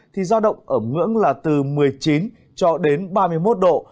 thì do động ở ngưỡng là từ một mươi chín ba mươi một độ